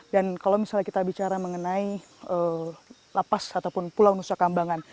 dan kalau misalnya kita bicara mengenai lapas ataupun pulau nusa kambangan